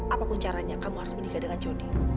apapun caranya kamu harus mendikari dengan jodi